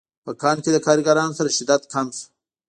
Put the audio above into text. په کان کې له کارګرانو سره شدت کم شو